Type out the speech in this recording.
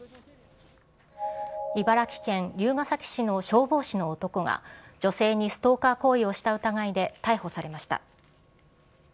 茨城県龍ケ崎市の消防士の男が、女性にストーカー行為をした疑いで逮捕されました。